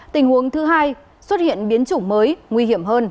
tình huống thứ hai xuất hiện biến chủng mới nguy hiểm hơn